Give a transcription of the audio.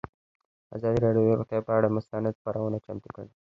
ازادي راډیو د روغتیا پر اړه مستند خپرونه چمتو کړې.